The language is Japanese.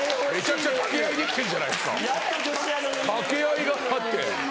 掛け合いがあって。